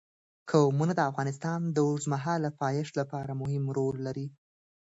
قومونه د افغانستان د اوږدمهاله پایښت لپاره مهم رول لري.